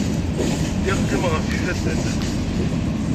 Lliɣ qqimeɣ ɣef yifadden.